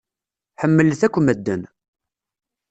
Ḥemmlet akk medden.